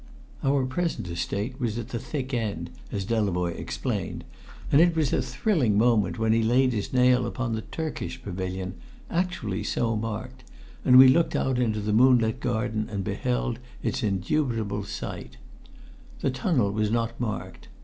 Our present Estate was at the thick end, as Delavoye explained, and it was a thrilling moment when he laid his nail upon the Turkish Pavilion, actually so marked, and we looked out into the moonlit garden and beheld its indubitable site. The tunnel was not marked.